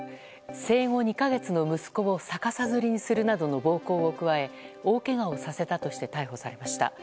生後２か月の息子を逆さづりにするなどの暴行を加え大けがをさせたとして逮捕されました。